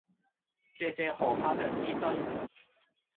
謝謝何栢良醫生